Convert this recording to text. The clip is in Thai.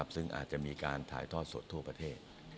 ซึ่งอาจจะมีการถ่ายทอดสดทั่วประเทศ